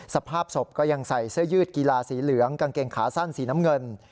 สภาพศพก็ยังใส่เสื้อยืดกีฬาสีเหลืองกางเกงขาสั้นสีน้ำเงิน